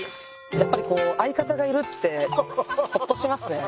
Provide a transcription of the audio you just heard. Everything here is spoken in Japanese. やっぱりこう相方がいるってほっとしますね。